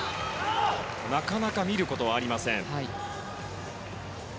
なかなか見ることはありません。